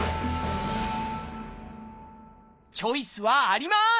チョイスはあります！